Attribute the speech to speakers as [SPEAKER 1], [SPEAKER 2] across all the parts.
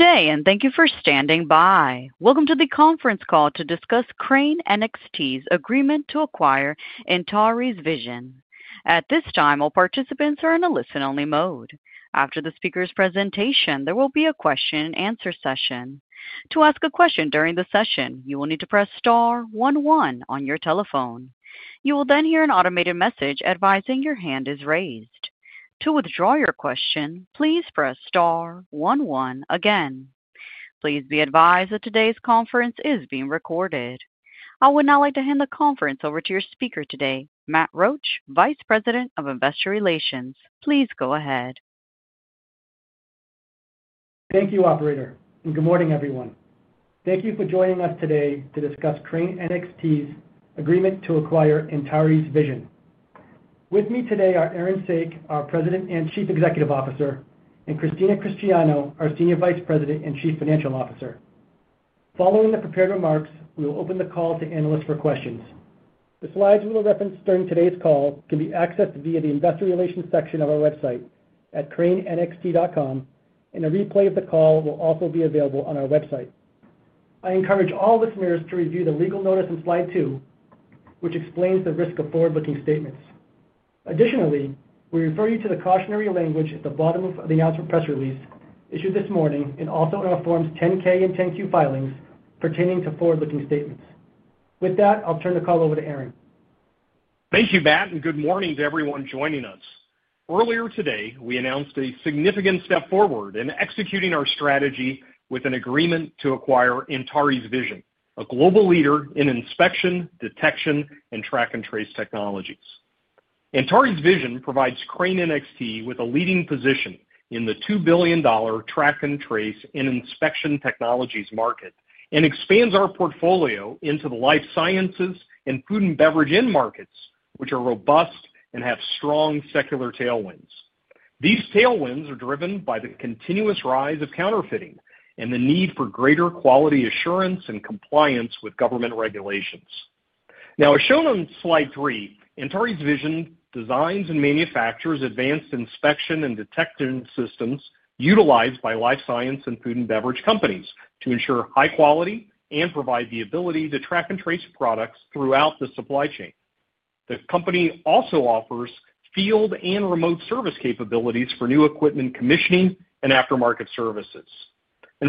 [SPEAKER 1] Today, and thank you for standing by. Welcome to the conference call to discuss Crane NXT's agreement to acquire Antares Vision S.p.A. At this time, all participants are in a listen-only mode. After the speaker's presentation, there will be a question and answer session. To ask a question during the session, you will need to press star 11 on your telephone. You will then hear an automated message advising your hand is raised. To withdraw your question, please press star 11 again. Please be advised that today's conference is being recorded. I would now like to hand the conference over to your speaker today, Matt Roache, Vice President of Investor Relations. Please go ahead.
[SPEAKER 2] Thank you, Operator, and good morning, everyone. Thank you for joining us today to discuss Crane NXT's agreement to acquire Antares Vision S.p.A. With me today are Aaron Saak, our President and Chief Executive Officer, and Christina Cristiano, our Senior Vice President and Chief Financial Officer. Following the prepared remarks, we will open the call to analysts for questions. The slides we will reference during today's call can be accessed via the Investor Relations section of our website at cranenxt.com, and a replay of the call will also be available on our website. I encourage all listeners to review the legal notice on slide two, which explains the risk of forward-looking statements. Additionally, we refer you to the cautionary language at the bottom of the announcement press release issued this morning and also in our Forms 10-K and 10-Q filings pertaining to forward-looking statements. With that, I'll turn the call over to Aaron.
[SPEAKER 3] Thank you, Matt, and good morning to everyone joining us. Earlier today, we announced a significant step forward in executing our strategy with an agreement to acquire Antares Vision S.p.A., a global leader in inspection, detection, and track and trace technologies. Antares Vision S.p.A. provides Crane NXT with a leading position in the $2 billion track and trace and inspection technologies market and expands our portfolio into the life sciences and food and beverage end markets, which are robust and have strong secular tailwinds. These tailwinds are driven by the continuous rise of counterfeiting and the need for greater quality assurance and compliance with government regulations. Now, shown on slide three, Antares Vision S.p.A. designs and manufactures advanced inspection and detection systems utilized by life science and food and beverage companies to ensure high quality and provide the ability to track and trace products throughout the supply chain. The company also offers field and remote service capabilities for new equipment commissioning and aftermarket services.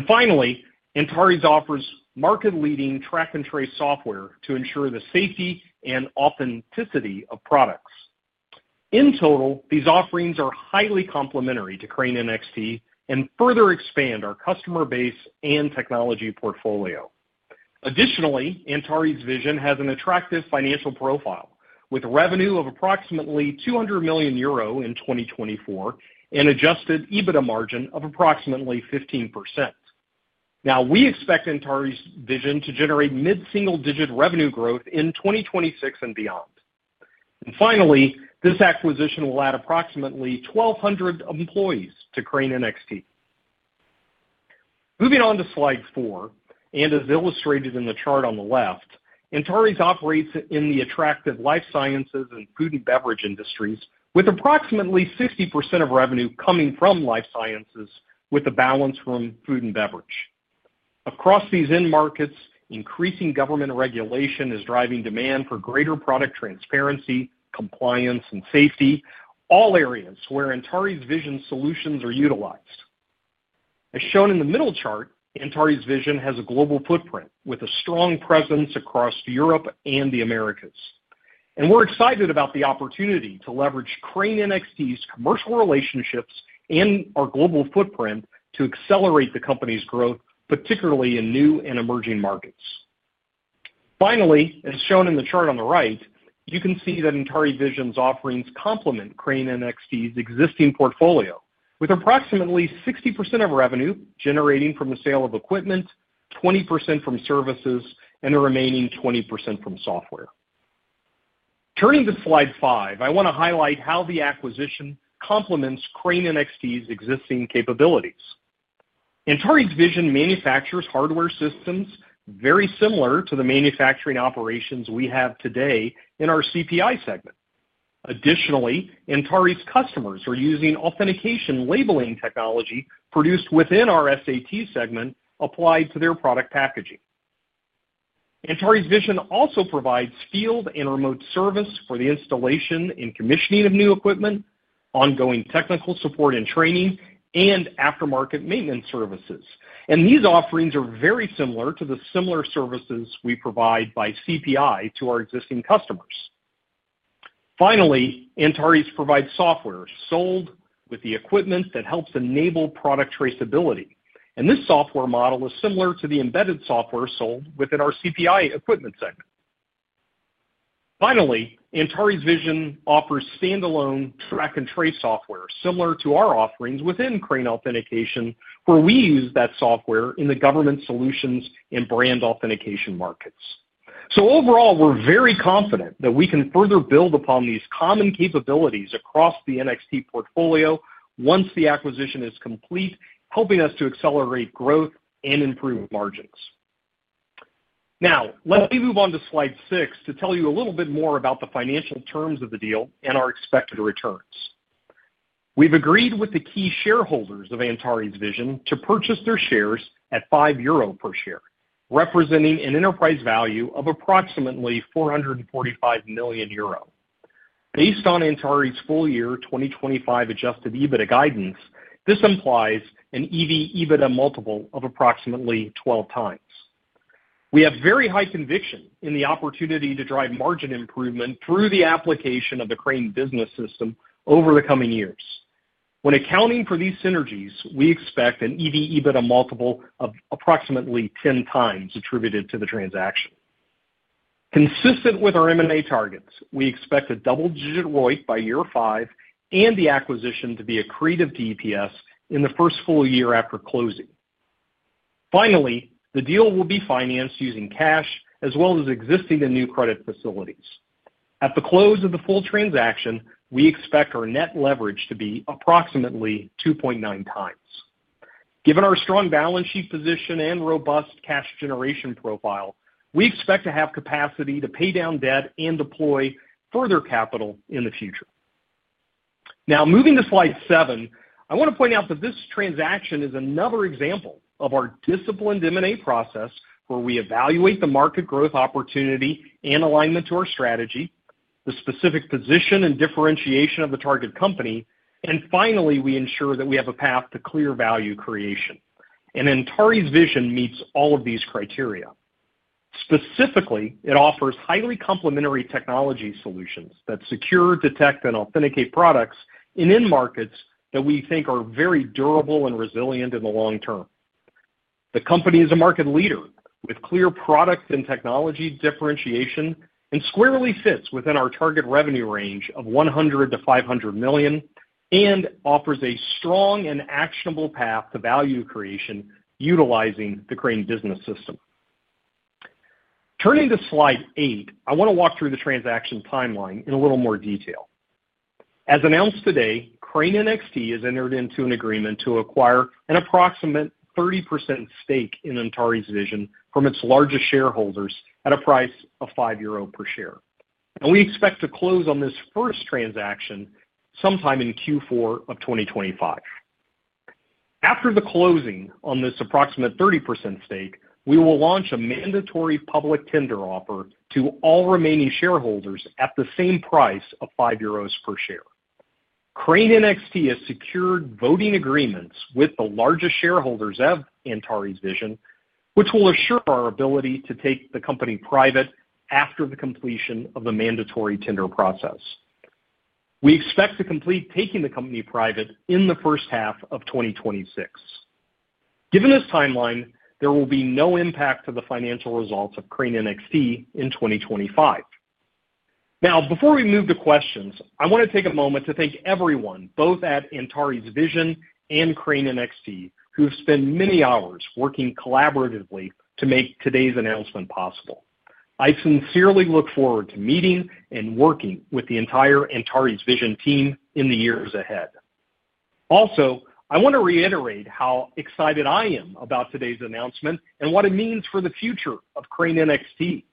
[SPEAKER 3] Finally, Antares Vision S.p.A. offers market-leading track and trace software solutions to ensure the safety and authenticity of products. In total, these offerings are highly complementary to Crane NXT and further expand our customer base and technology portfolio. Additionally, Antares Vision S.p.A. has an attractive financial profile with revenue of approximately €200 million in 2024 and an adjusted EBITDA margin of approximately 15%. We expect Antares Vision S.p.A. to generate mid-single-digit revenue growth in 2026 and beyond. Finally, this acquisition will add approximately 1,200 employees to Crane NXT. Moving on to slide four, and as illustrated in the chart on the left, Antares Vision S.p.A. operates in the attractive life sciences and food and beverage industries with approximately 50% of revenue coming from life sciences, with a balance from food and beverage. Across these end markets, increasing government regulation is driving demand for greater product transparency, compliance, and safety, all areas where Antares Vision S.p.A. solutions are utilized. As shown in the middle chart, Antares Vision S.p.A. has a global footprint with a strong presence across Europe and the Americas, and we're excited about the opportunity to leverage Crane NXT's commercial relationships and our global footprint to accelerate the company's growth, particularly in new and emerging markets. Finally, as shown in the chart on the right, you can see that Antares Vision S.p.A.'s offerings complement Crane NXT's existing portfolio with approximately 60% of revenue generating from the sale of equipment, 20% from services, and the remaining 20% from software. Turning to slide five, I want to highlight how the acquisition complements Crane NXT's existing capabilities. Antares Vision S.p.A. manufactures hardware systems very similar to the manufacturing operations we have today in our CPI segment. Additionally, Antares Vision S.p.A.'s customers are using authentication labeling technology produced within our Crane Authentication segment applied to their product packaging. Antares Vision S.p.A. also provides field and remote service for the installation and commissioning of new equipment, ongoing technical support and training, and aftermarket maintenance services. These offerings are very similar to the services we provide by CPI to our existing customers. Antares Vision S.p.A. provides software sold with the equipment that helps enable product traceability, and this software model is similar to the embedded software sold within our CPI equipment segment. Antares Vision S.p.A. offers standalone track and trace software similar to our offerings within Crane Authentication, where we use that software in the government solutions and brand authentication markets. Overall, we're very confident that we can further build upon these common capabilities across the NXT portfolio once the acquisition is complete, helping us to accelerate growth and improve margins. Now, let me move on to slide six to tell you a little bit more about the financial terms of the deal and our expected returns. We've agreed with the key shareholders of Antares Vision S.p.A. to purchase their shares at €5 per share, representing an enterprise value of approximately €445 million. Based on Antares Vision S.p.A.'s full-year 2025 adjusted EBITDA guidance, this implies an EV/EBITDA multiple of approximately 12 times. We have very high conviction in the opportunity to drive margin improvement through the application of the Crane Business System over the coming years. When accounting for these synergies, we expect an EV/EBITDA multiple of approximately 10 times attributed to the transaction. Consistent with our M&A targets, we expect a double-digit ROIC by year five and the acquisition to be accretive of DPS in the first full year after closing. The deal will be financed using cash as well as existing and new credit facilities. At the close of the full transaction, we expect our net leverage to be approximately 2.9 times. Given our strong balance sheet position and robust cash generation profile, we expect to have capacity to pay down debt and deploy further capital in the future. Now, moving to slide seven, I want to point out that this transaction is another example of our disciplined M&A process where we evaluate the market growth opportunity and alignment to our strategy, the specific position and differentiation of the target company, and finally, we ensure that we have a path to clear value creation. Antares Vision S.p.A. meets all of these criteria. Specifically, it offers highly complementary technology solutions that secure, detect, and authenticate products in end markets that we think are very durable and resilient in the long term. The company is a market leader with clear product and technology differentiation and squarely sits within our target revenue range of $100 million-$500 million and offers a strong and actionable path to value creation utilizing the Crane Business System. Turning to slide eight, I want to walk through the transaction timeline in a little more detail. As announced today, Crane NXT has entered into an agreement to acquire an approximate 30% stake in Antares Vision S.p.A. from its largest shareholders at a price of €5 per share, and we expect to close on this first transaction sometime in Q4 of 2025. After the closing on this approximate 30% stake, we will launch a mandatory public tender offer to all remaining shareholders at the same price of €5 per share. Crane NXT has secured voting agreements with the largest shareholders of Antares Vision S.p.A., which will assure our ability to take the company private after the completion of the mandatory tender process. We expect to complete taking the company private in the first half of 2026. Given this timeline, there will be no impact to the financial results of Crane NXT in 2025. Now, before we move to questions, I want to take a moment to thank everyone, both at Antares Vision S.p.A. and Crane NXT, who have spent many hours working collaboratively to make today's announcement possible. I sincerely look forward to meeting and working with the entire Antares Vision S.p.A. team in the years ahead. Also, I want to reiterate how excited I am about today's announcement and what it means for the future of Crane NXT.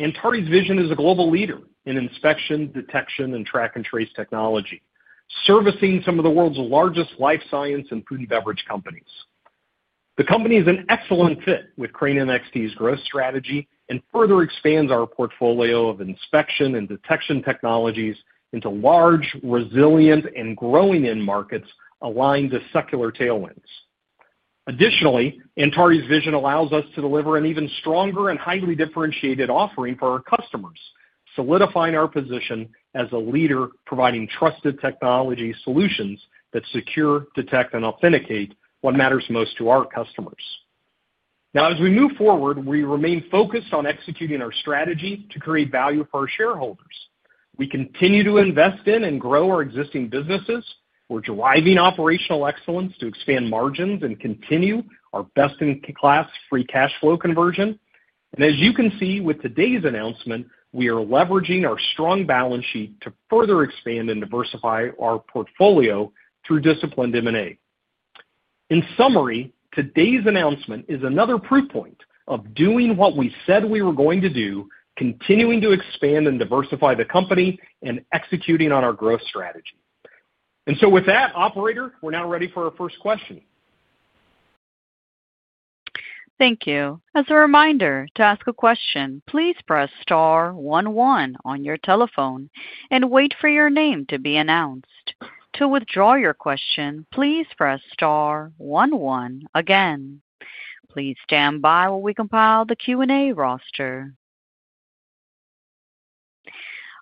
[SPEAKER 3] Antares Vision S.p.A. is a global leader in inspection, detection, and track and trace technology, servicing some of the world's largest life science and food and beverage companies. The company is an excellent fit with Crane NXT's growth strategy and further expands our portfolio of inspection and detection technologies into large, resilient, and growing end markets aligned to secular tailwinds. Additionally, Antares Vision S.p.A. allows us to deliver an even stronger and highly differentiated offering for our customers, solidifying our position as a leader providing trusted technology solutions that secure, detect, and authenticate what matters most to our customers. Now, as we move forward, we remain focused on executing our strategy to create value for our shareholders. We continue to invest in and grow our existing businesses. We're driving operational excellence to expand margins and continue our best-in-class free cash flow conversion. As you can see with today's announcement, we are leveraging our strong balance sheet to further expand and diversify our portfolio through disciplined M&A. In summary, today's announcement is another proof point of doing what we said we were going to do, continuing to expand and diversify the company and executing on our growth strategy. With that, Operator, we're now ready for our first question.
[SPEAKER 1] Thank you. As a reminder, to ask a question, please press star 11 on your telephone and wait for your name to be announced. To withdraw your question, please press star 11 again. Please stand by while we compile the Q&A roster.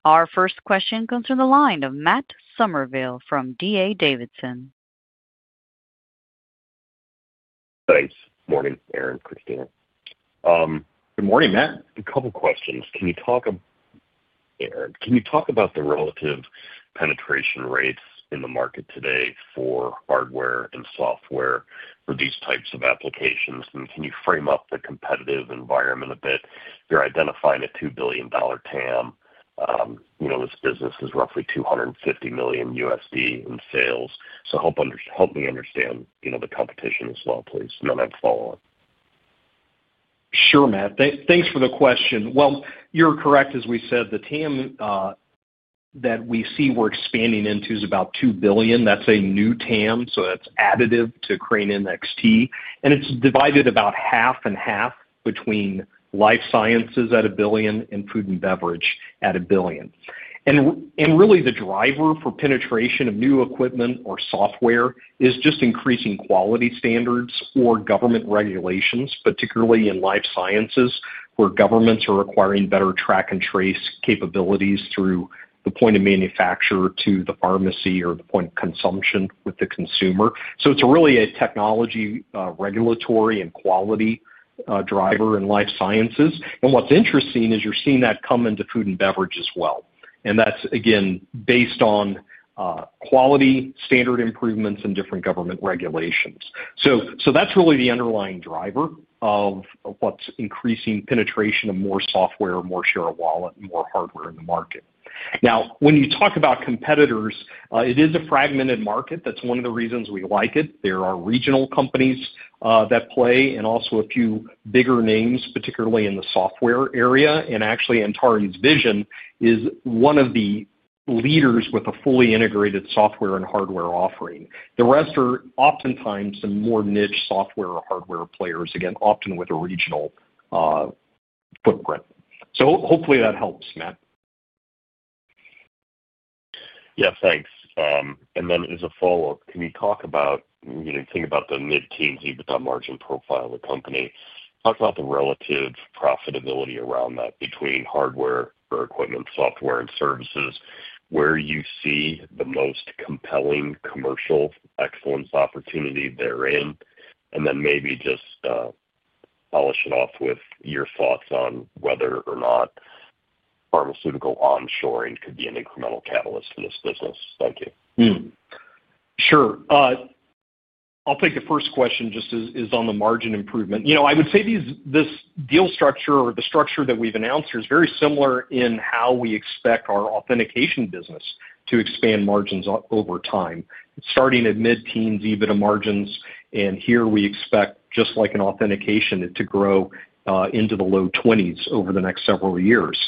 [SPEAKER 1] Our first question comes from the line of Matt Somerville from D.A. Davidson.
[SPEAKER 4] Thanks. Morning, Aaron, Christina. Good morning, Matt. A couple of questions. Can you talk about the relative penetration rates in the market today for hardware and software for these types of applications? Can you frame up the competitive environment a bit? You're identifying a $2 billion TAM. This business is roughly $250 million USD in sales. Help me understand the competition as well, please, and then I'll follow up.
[SPEAKER 3] Sure, Matt. Thanks for the question. You're correct. As we said, the TAM that we see we're expanding into is about $2 billion. That's a new TAM, so that's additive to Crane NXT, and it's divided about half and half between life sciences at $1 billion and food and beverage at $1 billion. Really, the driver for penetration of new equipment or software is just increasing quality standards or government regulations, particularly in life sciences where governments are requiring better track and trace capabilities through the point of manufacturer to the pharmacy or the point of consumption with the consumer. It's really a technology, regulatory, and quality driver in life sciences. What's interesting is you're seeing that come into food and beverage as well. That's, again, based on quality standard improvements and different government regulations. That's really the underlying driver of what's increasing penetration of more software, more share of wallet, and more hardware in the market. When you talk about competitors, it is a fragmented market. That's one of the reasons we like it. There are regional companies that play and also a few bigger names, particularly in the software area. Actually, Antares Vision S.p.A. is one of the leaders with a fully integrated software and hardware offering. The rest are oftentimes some more niche software or hardware players, again, often with a regional footprint. Hopefully, that helps, Matt.
[SPEAKER 4] Thank you. As a follow-up, can you talk about, you know, think about the mid-teens EBITDA margin profile of the company, talk about the relative profitability around that between hardware or equipment, software, and services, where you see the most compelling commercial excellence opportunity therein, and then maybe just polish it off with your thoughts on whether or not pharmaceutical onshoring could be an incremental catalyst for this business. Thank you.
[SPEAKER 3] Sure. I'll take the first question just as on the margin improvement. I would say this deal structure or the structure that we've announced is very similar in how we expect our authentication business to expand margins over time, starting at mid-teens EBITDA margins. Here we expect, just like in authentication, it to grow into the low 20s over the next several years.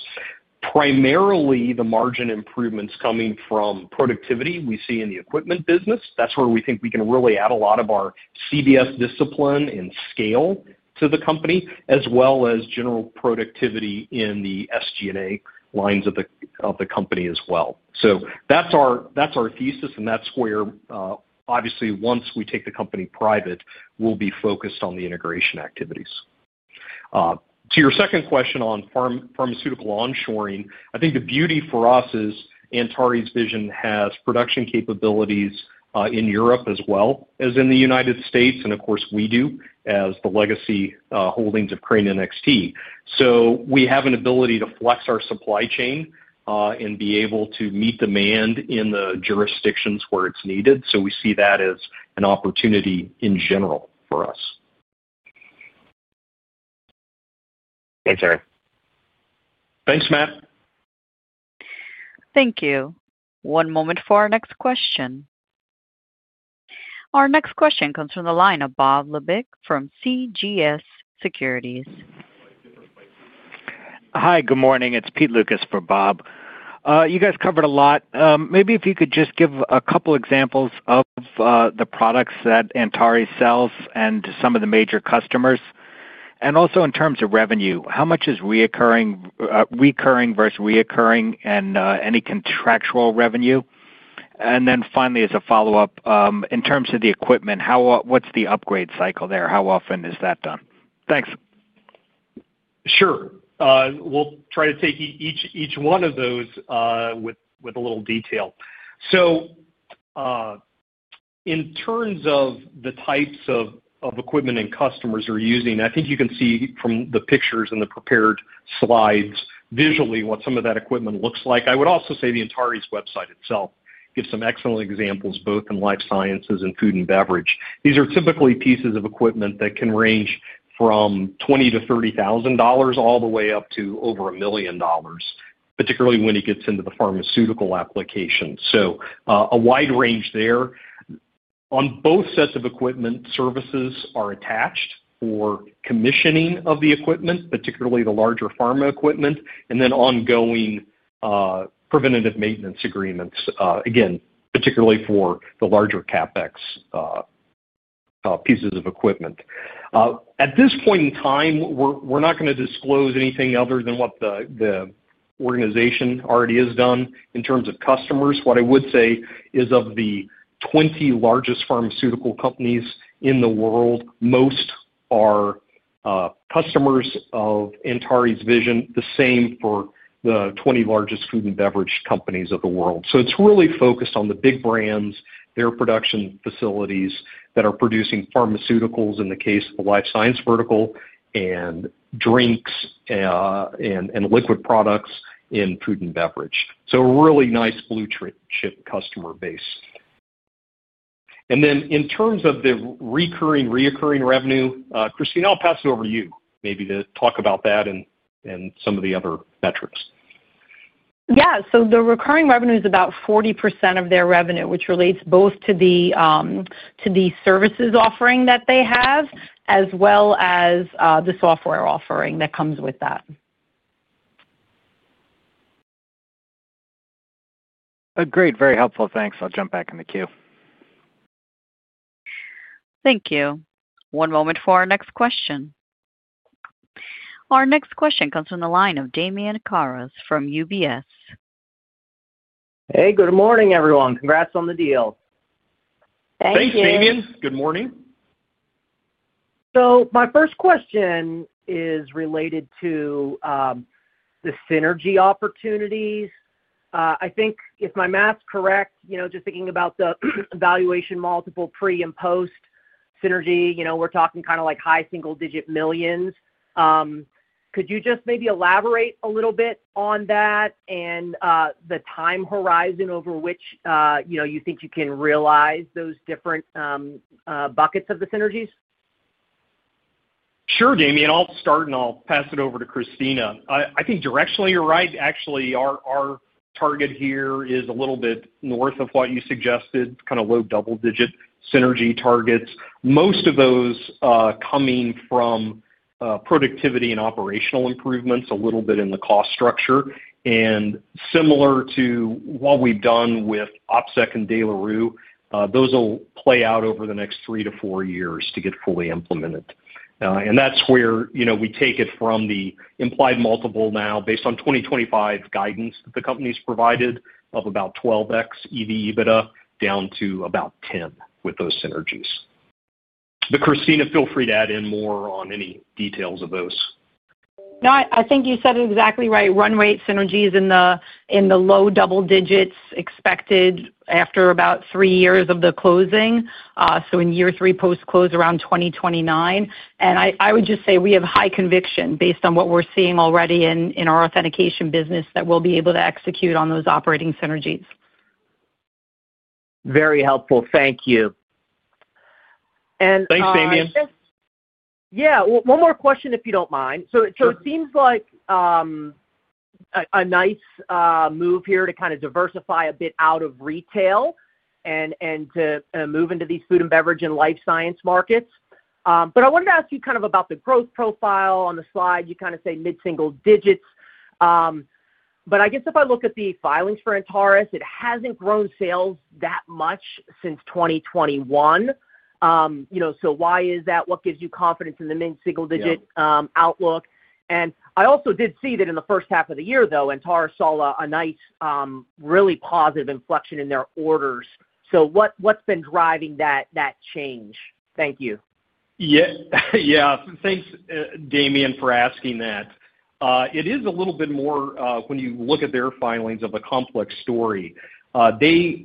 [SPEAKER 3] Primarily, the margin improvements are coming from productivity we see in the equipment business. That's where we think we can really add a lot of our Crane Business System discipline and scale to the company, as well as general productivity in the SG&A lines of the company as well. That's our thesis, and that's where, obviously, once we take the company private, we'll be focused on the integration activities. To your second question on pharmaceutical onshoring, I think the beauty for us is Antares Vision S.p.A. has production capabilities in Europe as well as in the United States, and of course, we do as the legacy holdings of Crane NXT. We have an ability to flex our supply chain and be able to meet demand in the jurisdictions where it's needed. We see that as an opportunity in general for us.
[SPEAKER 4] Thanks, Aaron.
[SPEAKER 3] Thanks, Matt.
[SPEAKER 1] Thank you. One moment for our next question. Our next question comes from the line of Bob Levesque from CJS Securities.
[SPEAKER 5] Hi, good morning. It's Pete Lukas for Bob. You guys covered a lot. Maybe if you could just give a couple of examples of the products that Antares Vision S.p.A. sells and some of the major customers. Also, in terms of revenue, how much is recurring versus recurring and any contractual revenue? Finally, as a follow-up, in terms of the equipment, what's the upgrade cycle there? How often is that done? Thanks.
[SPEAKER 3] Sure. We'll try to take each one of those with a little detail. In terms of the types of equipment and customers are using, I think you can see from the pictures and the prepared slides visually what some of that equipment looks like. I would also say the Antares Vision S.p.A. website itself gives some excellent examples, both in life sciences and food and beverage. These are typically pieces of equipment that can range from $20,000-$30,000 all the way up to over $1 million, particularly when it gets into the pharmaceutical application. A wide range there. On both sets of equipment, services are attached for commissioning of the equipment, particularly the larger pharma equipment, and then ongoing preventative maintenance agreements, again, particularly for the larger CapEx pieces of equipment. At this point in time, we're not going to disclose anything other than what the organization already has done in terms of customers. What I would say is of the 20 largest pharmaceutical companies in the world, most are customers of Antares Vision S.p.A., the same for the 20 largest food and beverage companies of the world. It's really focused on the big brands, their production facilities that are producing pharmaceuticals in the case of the life science vertical and drinks and liquid products in food and beverage. A really nice blue chip customer base. In terms of the recurring revenue, Christina, I'll pass it over to you maybe to talk about that and some of the other metrics.
[SPEAKER 6] The recurring revenue is about 40% of their revenue, which relates both to the services offering that they have as well as the software offering that comes with that.
[SPEAKER 5] Great. Very helpful. Thanks. I'll jump back in the queue.
[SPEAKER 1] Thank you. One moment for our next question. Our next question comes from the line of Damian Karas from UBS.
[SPEAKER 7] Hey, good morning, everyone. Congrats on the deal.
[SPEAKER 3] Thanks, Damian. Good morning.
[SPEAKER 7] My first question is related to the synergy opportunities. I think if my math's correct, just thinking about the evaluation multiple pre and post synergy, we're talking kind of like high single-digit millions. Could you just maybe elaborate a little bit on that and the time horizon over which you think you can realize those different buckets of the synergies?
[SPEAKER 3] Sure, Damian. I'll start and I'll pass it over to Christina. I think directionally you're right. Actually, our target here is a little bit north of what you suggested, kind of low double-digit synergy targets. Most of those are coming from productivity and operational improvements, a little bit in the cost structure. Similar to what we've done with OPSEC and De La Rue, those will play out over the next three to four years to get fully implemented. That's where you know we take it from the implied multiple now based on 2025 guidance that the company's provided of about 12x EV/EBITDA down to about 10 with those synergies. Christina, feel free to add in more on any details of those.
[SPEAKER 6] No, I think you said it exactly right. Run rate synergies in the low double digits are expected after about three years of the closing, in year three post-close, around 2029. I would just say we have high conviction based on what we're seeing already in our authentication business that we'll be able to execute on those operating synergies.
[SPEAKER 7] Very helpful. Thank you.
[SPEAKER 3] Thanks, Damian.
[SPEAKER 7] Yeah. One more question if you don't mind. It seems like a nice move here to kind of diversify a bit out of retail and to move into these food and beverage and life science markets. I wanted to ask you kind of about the growth profile on the slide. You kind of say mid-single digits. I guess if I look at the filings for Antares Vision S.p.A., it hasn't grown sales that much since 2021. You know, why is that? What gives you confidence in the mid-single digit outlook? I also did see that in the first half of the year, though, Antares Vision S.p.A. saw a nice, really positive inflection in their orders. What's been driving that change? Thank you.
[SPEAKER 3] Yeah. Yeah. Thanks, Damian, for asking that. It is a little bit more when you look at their filings of a complex story. Let me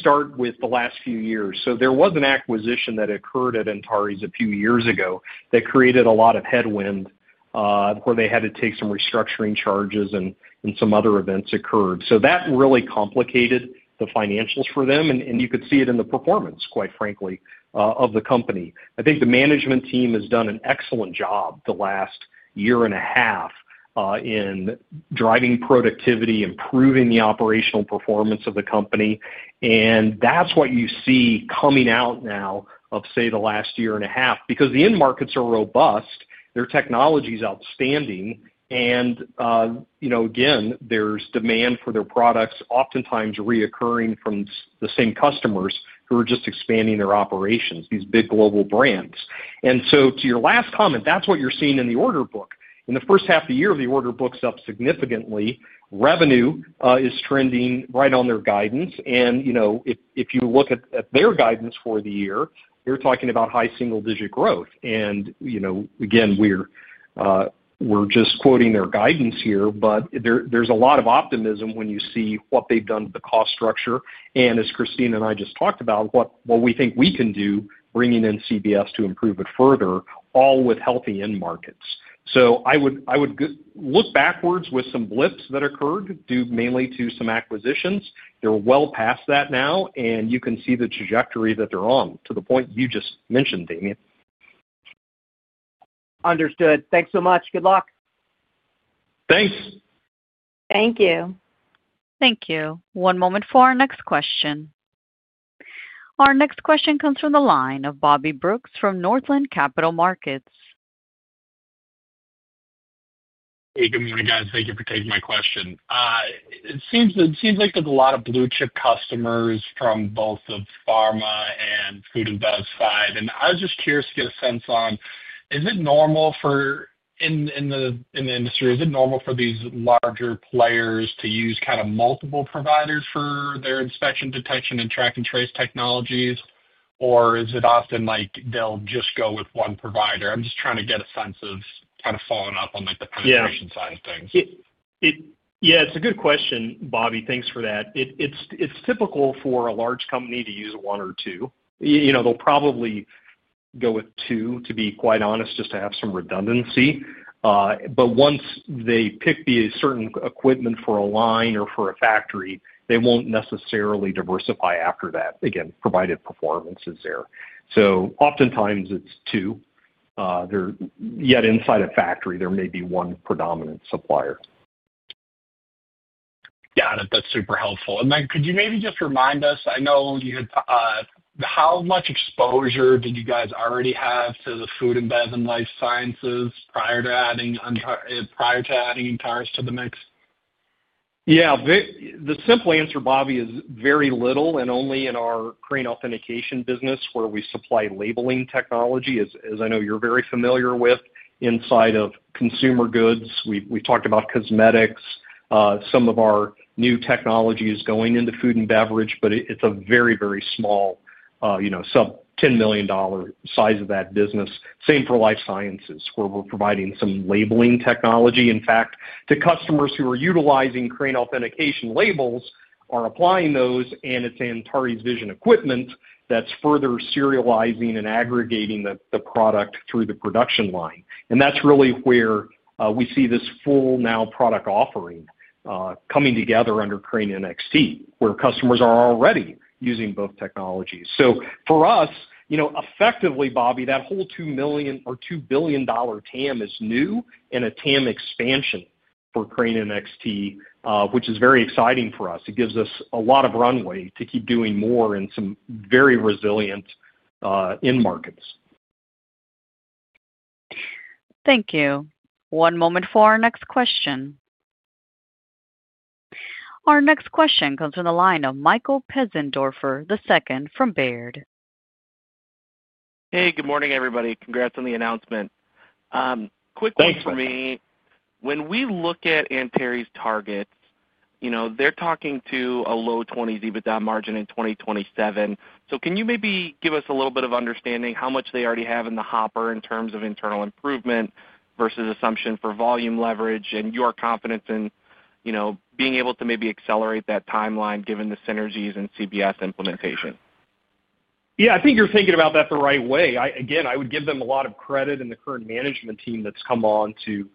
[SPEAKER 3] start with the last few years. There was an acquisition that occurred at Antares Vision S.p.A. a few years ago that created a lot of headwind where they had to take some restructuring charges and some other events occurred. That really complicated the financials for them. You could see it in the performance, quite frankly, of the company. I think the management team has done an excellent job the last year and a half in driving productivity, improving the operational performance of the company. That's what you see coming out now of, say, the last year and a half because the end markets are robust, their technology is outstanding. You know, again, there's demand for their products, oftentimes recurring from the same customers who are just expanding their operations, these big global brands. To your last comment, that's what you're seeing in the order book. In the first half of the year, the order book's up significantly. Revenue is trending right on their guidance. If you look at their guidance for the year, they're talking about high single-digit growth. Again, we're just quoting their guidance here, but there's a lot of optimism when you see what they've done with the cost structure. As Christina and I just talked about, what we think we can do, bringing in Crane Business System to improve it further, all with healthy end markets. I would look backwards with some blips that occurred, due mainly to some acquisitions. They're well past that now, and you can see the trajectory that they're on to the point you just mentioned, Damian.
[SPEAKER 7] Understood. Thanks so much. Good luck.
[SPEAKER 3] Thanks.
[SPEAKER 1] Thank you. Thank you. One moment for our next question. Our next question comes from the line of Bobby Brooks from Northland Capital Markets.
[SPEAKER 8] Hey, good morning, guys. Thank you for taking my question. It seems like there's a lot of blue-chip customers from both the pharma and food and beverage side. I was just curious to get a sense on, is it normal for in the industry, is it normal for these larger players to use kind of multiple providers for their inspection, detection, and track and trace technologies, or is it often like they'll just go with one provider? I'm just trying to get a sense of kind of following up on like the penetration side of things.
[SPEAKER 3] Yeah, it's a good question, Bobby. Thanks for that. It's typical for a large company to use one or two. You know, they'll probably go with two, to be quite honest, just to have some redundancy. Once they pick a certain equipment for a line or for a factory, they won't necessarily diversify after that, again, provided performance is there. Oftentimes, it's two. Yet inside a factory, there may be one predominant supplier.
[SPEAKER 8] Got it. That's super helpful. Matt, could you maybe just remind us, I know you had, how much exposure did you guys already have to the food and beverage and life sciences prior to adding Antares to the mix?
[SPEAKER 3] Yeah. The simple answer, Bobby, is very little and only in our Crane Authentication business where we supply labeling technology, as I know you're very familiar with, inside of consumer goods. We talked about cosmetics, some of our new technologies going into food and beverage, but it's a very, very small, you know, sub-$10 million size of that business. Same for life sciences where we're providing some labeling technology. In fact, the customers who are utilizing Crane Authentication labels are applying those, and it's Antares Vision S.p.A. equipment that's further serializing and aggregating the product through the production line. That's really where we see this full now product offering coming together under Crane NXT, where customers are already using both technologies. For us, you know, effectively, Bobby, that whole $2 billion TAM is new and a TAM expansion for Crane NXT, which is very exciting for us. It gives us a lot of runway to keep doing more in some very resilient end markets.
[SPEAKER 1] Thank you. One moment for our next question. Our next question comes from the line of Michael Pesendorfer II from Baird.
[SPEAKER 9] Hey, good morning, everybody. Congrats on the announcement. Quick question for me. When we look at Antares Vision S.p.A.'s targets, you know, they're talking to a low 20% EBITDA margin in 2027. Can you maybe give us a little bit of understanding how much they already have in the hopper in terms of internal improvement versus assumption for volume leverage and your confidence in, you know, being able to maybe accelerate that timeline given the synergies and Crane Business System implementation?
[SPEAKER 3] Yeah, I think you're thinking about that the right way. I would give them a lot of credit in the current management team that's come on to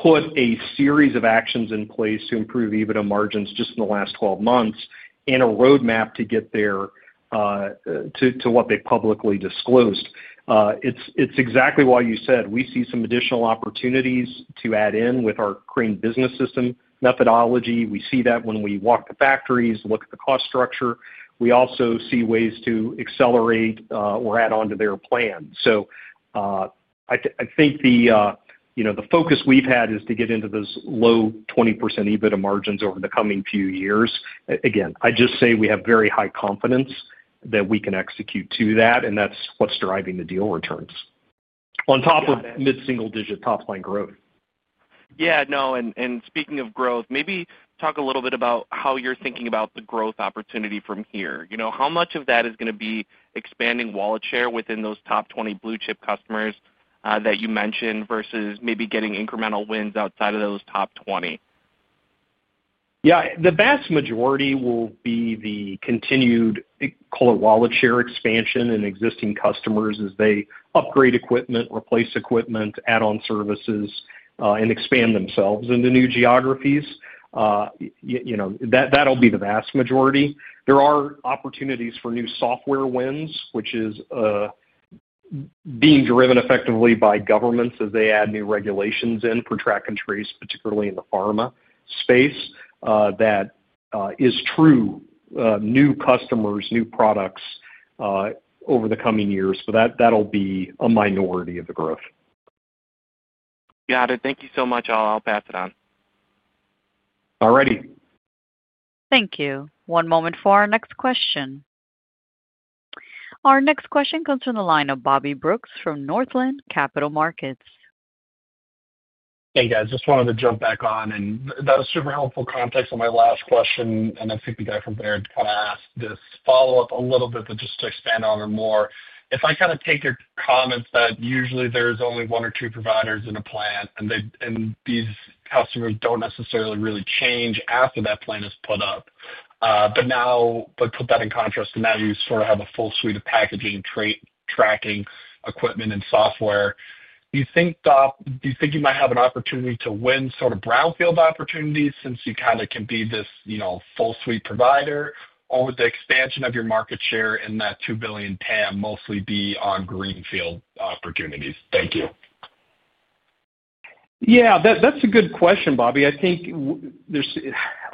[SPEAKER 3] put a series of actions in place to improve EBITDA margins just in the last 12 months and a roadmap to get there to what they publicly disclosed. It's exactly why you said we see some additional opportunities to add in with our Crane Business System methodology. We see that when we walk the factories, look at the cost structure. We also see ways to accelerate or add on to their plan. I think the focus we've had is to get into those low 20% EBITDA margins over the coming few years. I just say we have very high confidence that we can execute to that, and that's what's driving the deal returns on top of mid-single digit top line growth.
[SPEAKER 9] Yeah, no, speaking of growth, maybe talk a little bit about how you're thinking about the growth opportunity from here. You know, how much of that is going to be expanding wallet share within those top 20 blue chip customers that you mentioned versus maybe getting incremental wins outside of those top 20?
[SPEAKER 3] Yeah, the vast majority will be the continued color wallet share expansion in existing customers as they upgrade equipment, replace equipment, add on services, and expand themselves into new geographies. That'll be the vast majority. There are opportunities for new software wins, which is being driven effectively by governments as they add new regulations in for track and trace, particularly in the pharma space. That is true, new customers, new products over the coming years. That'll be a minority of the growth.
[SPEAKER 9] Got it. Thank you so much. I'll pass it on.
[SPEAKER 3] All righty.
[SPEAKER 1] Thank you. One moment for our next question. Our next question comes from the line of Bobby Brooks from Northland Capital Markets.
[SPEAKER 8] Hey, guys, just wanted to jump back on, that was super helpful context on my last question. I think we got from there. I want to ask this follow-up a little bit, just to expand on it more. If I kind of take your comment that usually there's only one or two providers in a plant, and these customers don't necessarily really change after that plant is put up, put that in contrast, and now you sort of have a full suite of packaging and track and trace equipment and software. Do you think you might have an opportunity to win sort of brownfield opportunities since you kind of can be this, you know, full suite provider? Would the expansion of your market share in that $2 billion TAM mostly be on greenfield opportunities? Thank you.
[SPEAKER 3] Yeah, that's a good question, Bobby. I think there's,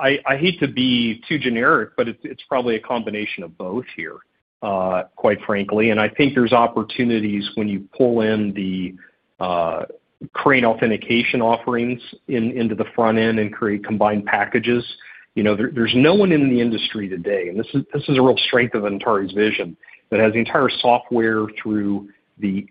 [SPEAKER 3] I hate to be too generic, but it's probably a combination of both here, quite frankly. I think there's opportunities when you pull in the Crane Authentication offerings into the front end and create combined packages. You know, there's no one in the industry today, and this is a real strength of Antares Vision S.p.A., that has the entire software through the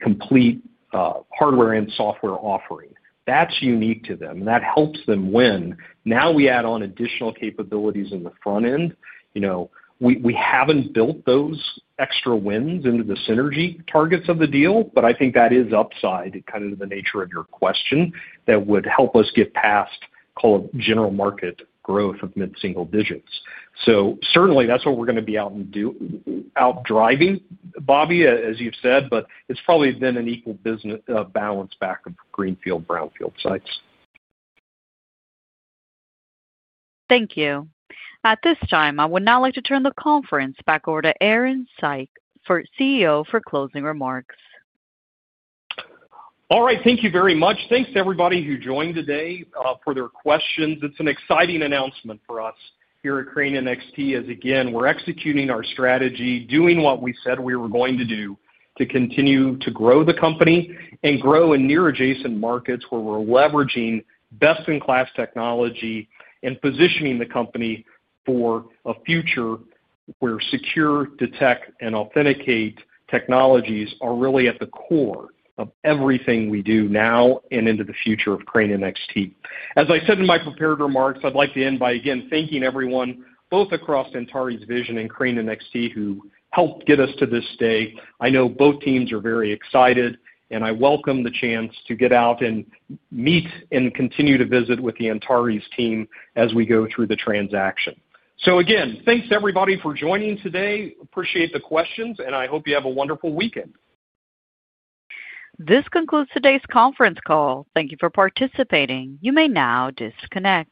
[SPEAKER 3] complete hardware and software offering. That's unique to them, and that helps them win. Now we add on additional capabilities in the front end. You know, we haven't built those extra wins into the synergy targets of the deal, but I think that is upside kind of to the nature of your question that would help us get past, call it, general market growth of mid-single digits. Certainly, that's what we're going to be out and do out driving, Bobby, as you've said, but it's probably then an equal business balance back of greenfield brownfield sites.
[SPEAKER 1] Thank you. At this time, I would now like to turn the conference back over to Aaron Saak, President and CEO, for closing remarks.
[SPEAKER 3] All right. Thank you very much. Thanks to everybody who joined today for their questions. It's an exciting announcement for us here at Crane NXT as, again, we're executing our strategy, doing what we said we were going to do to continue to grow the company and grow in near adjacent markets where we're leveraging best-in-class technology and positioning the company for a future where secure, detect, and authenticate technologies are really at the core of everything we do now and into the future of Crane NXT. As I said in my prepared remarks, I'd like to end by, again, thanking everyone, both across Antares Vision S.p.A. and Crane NXT, who helped get us to this day. I know both teams are very excited, and I welcome the chance to get out and meet and continue to visit with the Antares Vision S.p.A. team as we go through the transaction. Again, thanks everybody for joining today. Appreciate the questions, and I hope you have a wonderful weekend.
[SPEAKER 1] This concludes today's conference call. Thank you for participating. You may now disconnect.